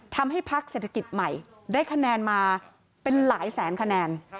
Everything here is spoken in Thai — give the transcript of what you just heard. พักเศรษฐกิจใหม่ได้คะแนนมาเป็นหลายแสนคะแนน